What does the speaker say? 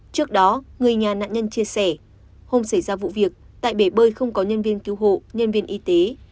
trước đó người nhà nạn nhân chia sẻ hôm xảy ra vụ việc tại bể bơi không có nhân viên cứu hộ nhân viên y tế